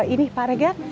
ini pak regar